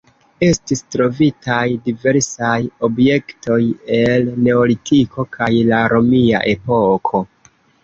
Estis trovitaj diversaj objektoj el neolitiko kaj la romia epoko.